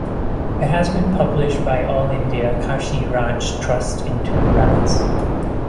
It has been published by All India Kashiraj Trust in two rounds.